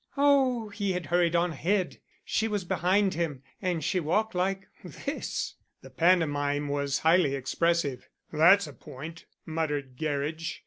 "Oh, he had hurried on ahead. She was behind him, and she walked like this." The pantomime was highly expressive. "That's a point," muttered Gerridge.